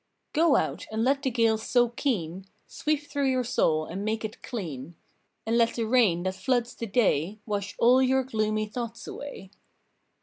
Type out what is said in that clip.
Go out and let the gales so keen Sweep through your soul and make it clean, And let the rain that floods the day Wash all your gloomy thoughts away.